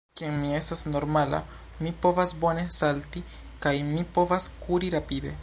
Kiam mi estas normala, mi povas bone salti, kaj mi povas kuri rapide.